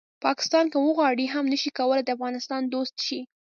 پاکستان که وغواړي هم نه شي کولی د افغانستان دوست شي